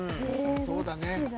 そうだね。